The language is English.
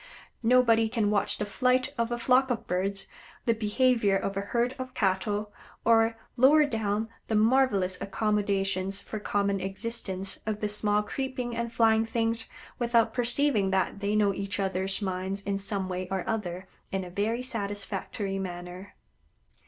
Nobody can watch the flight of a flock of birds, the behavior of a herd of cattle, or, lower down, the marvelous accommodations for common existence of the small creeping and flying things, without perceiving that they know each other's minds in some way or other in a very satisfactory manner.